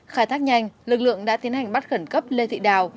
khai thác nhanh lực lượng đã tiến hành bắt khẩn cấp lê thị đào